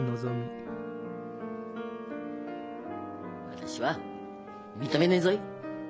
私は認めねえぞい。